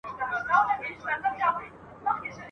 دلته به کور وي د ظالمانو !.